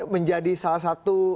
menjadi salah satu